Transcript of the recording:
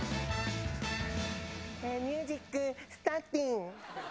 ミュージック、スターティン。